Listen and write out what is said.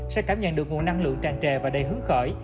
sẽ cảm nhận được nguồn năng lượng tràn trề và đầy hứng khởi